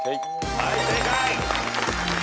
はい正解。